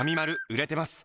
売れてます！